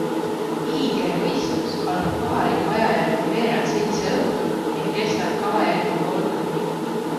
Big Air võistlus algab kohaliku aja järgi veerand seitse õhtul ning kestab kava järgi pool tundi.